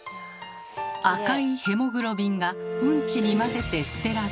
赤いヘモグロビンがうんちに混ぜて捨てられる。